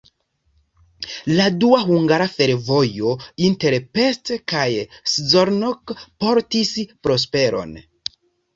La dua hungara fervojo inter Pest kaj Szolnok portis prosperon.